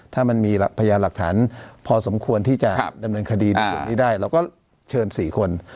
ถ้ามันมีพยานหลักฐานพอสมควรที่จะดำเนินคดีในส่วนนี้ได้เราก็เชิญ๔คน